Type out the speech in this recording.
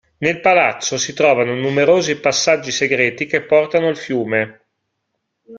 Nel palazzo si trovano numerosi passaggi segreti che portano al fiume.